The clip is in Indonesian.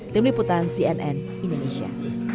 tim liputan cnn indonesia